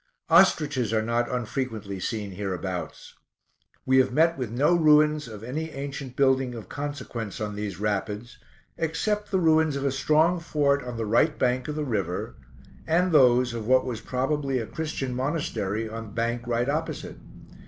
Ostriches are not unfrequently seen hereabouts. We have met with no ruins of any ancient building of consequence on these rapids, except the ruins of a strong fort on the right bank of the river, and those of what was probably a Christian Monastery on the bank right opposite.